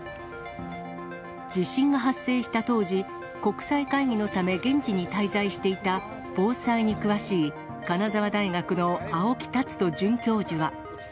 地震が発生した当時、国際会議のため現地に滞在していた、防災に詳しい金沢大学の青木賢人准教授は。